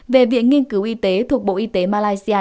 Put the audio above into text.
về viện nghiên cứu y tế thuộc bộ y tế malaysia